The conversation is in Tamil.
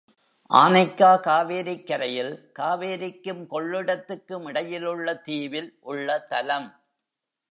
ஆனைக்கா காவேரிக்கரையில், காவேரிக்கும் கொள்ளிடத்துக்கும் இடையில் உள்ள தீவில் உள்ள தலம்.